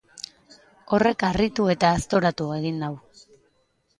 Horrek harritu eta aztoratu egin nau.